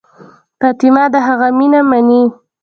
فاطمه د هغه مینه مني.